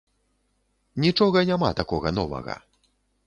Нічога няма такога новага.